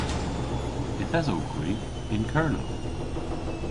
Yth esowgh hwi yn Kernow.